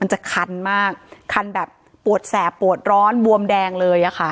จะคันมากคันแบบปวดแสบปวดร้อนบวมแดงเลยอะค่ะ